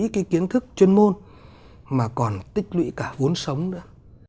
tích lũy kiến thức chuyên môn mà còn tích lũy cả vốn sống nữa